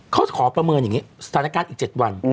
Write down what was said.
เขาขอประเมินอย่างนี้สถานการณ์อีก๗วัน